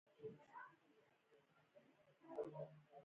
زه د ساده بوټو ساتنه خوښوم.